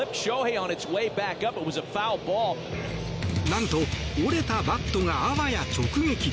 何と、折れたバットがあわや直撃。